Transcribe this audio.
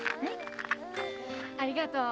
ありがとう。